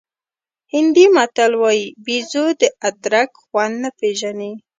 هندي متل وایي بېزو د ادرک خوند نه پېژني.